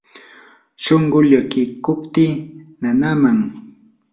shunquu llakiykupti nanaman.